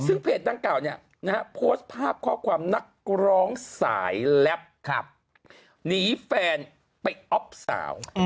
ซึ่งเพจนางเก่าโพสต์ภาพข้อความนักร้องสายแร็ปหนีแฟนไปอ๊อบสาว